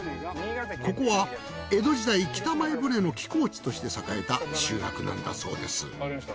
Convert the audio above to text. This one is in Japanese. ここは江戸時代北前船の寄港地として栄えた集落なんだそうです。